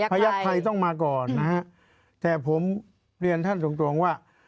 ยักษ์ไทยต้องมาก่อนนะฮะแต่ผมเรียนท่านตรงตรงว่า